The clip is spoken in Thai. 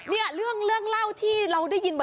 เรียงเรื่องเล่าที่เราได้ยินบ่อยอ่ะ